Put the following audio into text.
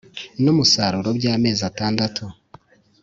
n’musaruro by’amezi atandatu